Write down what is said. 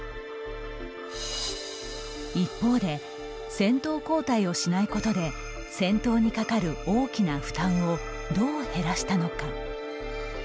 一方で、先頭交代をしないことで先頭にかかる大きな負担をどう減らしたのか。